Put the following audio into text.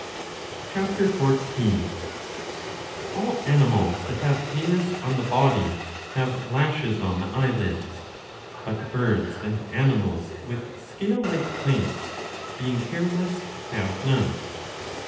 (Ch. 14.^ All animals that have hairs on the body have lashes on the eyelids ; but birds and animals with scale like plates, being 658 a 11. 14. 49 hairless, have none.